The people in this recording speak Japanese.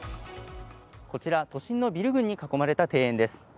こちら、都心のビル群に囲まれた庭園です。